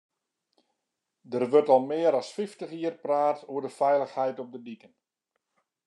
Der wurdt al mear as fyftich jier praat oer de feilichheid op de diken.